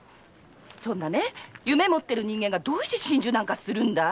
そんな夢を持ってる人間がどうして心中するんだい